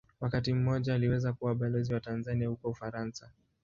Wakati mmoja aliweza kuwa Balozi wa Tanzania huko Ufaransa.